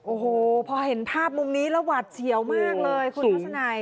โอ้โหพอเห็นภาพมุมนี้แล้วหวัดเฉียวมากเลยคุณทัศนัย